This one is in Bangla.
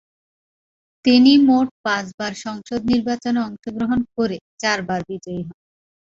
তিনি মোট পাঁচবার সংসদ নির্বাচনে অংশগ্রহণ করে চার বার বিজয়ী হন।